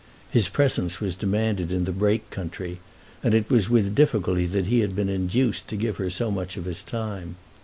His presence was demanded in the Brake country, and it was with difficulty that he had been induced to give her so much of his time.